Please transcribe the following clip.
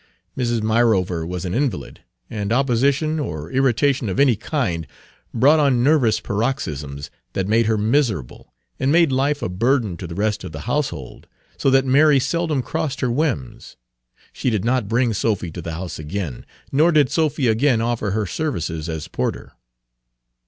Mrs. Myrover was an invalid, and opposition Page 280 or irritation of any kind brought on nervous paroxysms that made her miserable, and made life a burden to the rest of the household, so that Mary seldom crossed her whims. She did not bring Sophy to the house again, nor did Sophy again offer her services as porter.